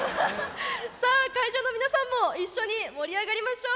さあ会場の皆さんも一緒に盛り上がりましょう！